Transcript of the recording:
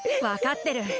わかってる。